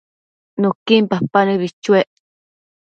Nuquin papa nëbi chuec